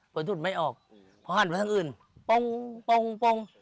เปลือกต้นไม่ออกผ้านไปตั้งอื่นโป้งโป้งโป้ง